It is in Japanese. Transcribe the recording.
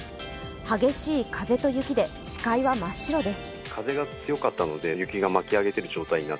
激しい風と雪で視界は真っ白です。